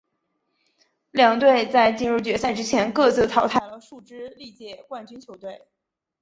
两队在进入决赛之前各自淘汰了数支历届冠军球队。